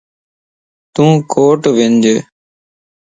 تون ڪوٽ وج